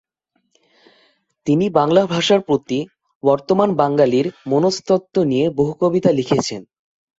তিনি বাংলা ভাষার প্রতি বর্তমান বাঙালির মনস্তত্ত্ব নিয়ে বহু কবিতা লিখেছেন।